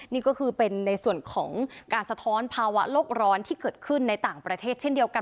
นี่ก็คือเป็นในส่วนของการสะท้อนภาวะโลกร้อนที่เกิดขึ้นในต่างประเทศเช่นเดียวกัน